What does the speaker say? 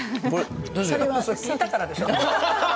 その話、聞いたからでしょう？